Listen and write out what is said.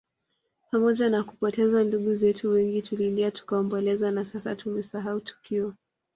Pamoja na kupoteza ndugu zetu wengi tulilia tukaomboleza na sasa tumesahau tukio